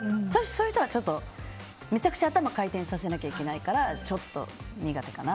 そういう人はめちゃくちゃ頭を回転させなきゃいけないからちょっと苦手かな。